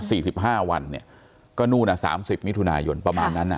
สิบห้าวันเนี่ยก็นู่นอ่ะสามสิบมิถุนายนประมาณนั้นอ่ะ